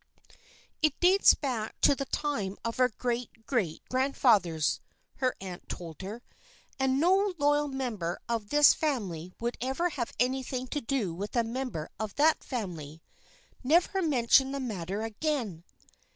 "It dates back to the time of our great great grandfathers," her aunt told her, "and no loyal member of this family would ever have anything to do with a member of that family. Never mention the matter again!"